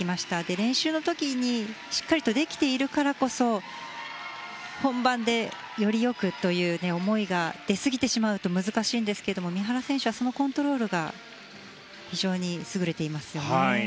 練習の時にしっかりとできているからこそ本番でより良くという思いが出すぎてしまうと難しいんですが三原選手はそのコントロールが非常に優れていますよね。